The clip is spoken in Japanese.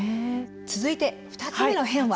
続いて２つ目のヘンは。